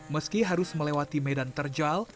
meski harus melewati medan terjal